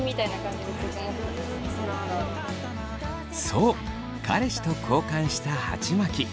そう彼氏と交換したはちまき。